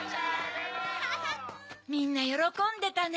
みんなよろこんでたね。